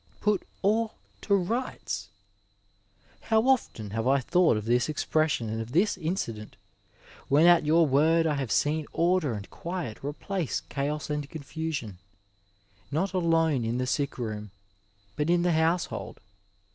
PfU all to rights I How often have I thought of this ex pression and of this incident when at your word I have seen order and quiet replace chaos and confusion, not alone in the sick room, but in the household.